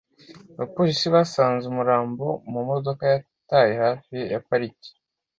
Abapolisi basanze umurambo mu modoka yataye hafi ya parike.